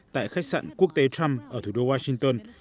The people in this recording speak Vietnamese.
tại khách sạn quốc tế trump ở thủ đô washington